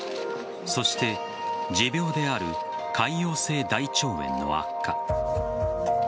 そして、持病である潰瘍性大腸炎の悪化。